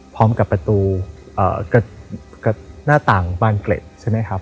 พร้อมกับประตูกับหน้าต่างบ้านเกล็ดใช่ไหมครับ